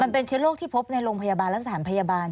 มันเป็นเชื้อโรคที่พบในโรงพยาบาลโรงพยาบาลและสถานพยาบาล